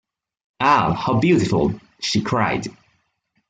“Ah, how beautiful!” she cried.